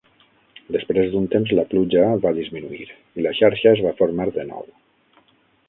Després d'un temps la pluja va disminuir i la xarxa es va formar de nou.